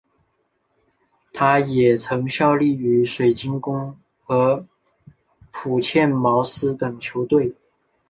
他也曾效力于水晶宫和朴茨茅斯等球队。